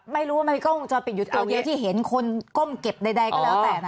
ไม่รู้ว่ามันมีกล้องวงจรปิดอยู่ตรงเดียวที่เห็นคนก้มเก็บใดก็แล้วแต่นะ